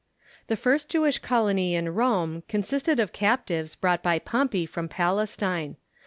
The first Jewish colony in Rome consisted of captives brought by Pompey from Palestine.